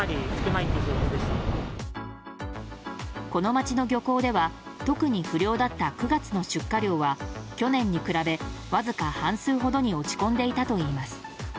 この街の漁港では特に不漁だった９月の出荷量は去年に比べ、わずか半数ほどに落ち込んでいたといいます。